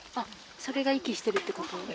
それが息してるってこと？